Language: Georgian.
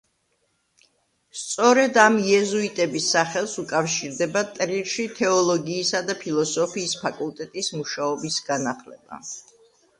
სწორედ ამ იეზუიტების სახელს უკავშირდება ტრირში თეოლოგიისა და ფილოსოფიის ფაკულტეტის მუშაობის განახლება.